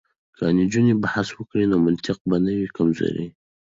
که نجونې بحث وکړي نو منطق به نه وي کمزوری.